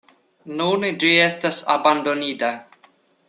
Nune ĝi estas abandonita.